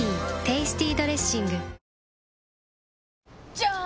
じゃーん！